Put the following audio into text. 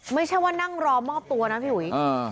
ไม่ใช่ว่านั่งรอมอบตัวนะพี่อุ๋ย